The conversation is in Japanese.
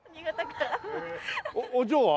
お嬢は？